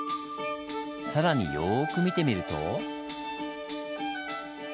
更によく見てみると。